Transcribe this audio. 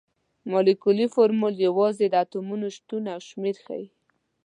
مالیکولي فورمول یوازې د اتومونو شتون او شمیر ښيي.